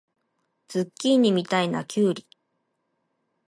ズッキーニみたいなきゅうり